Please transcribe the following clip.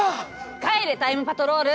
帰れタイムパトロール。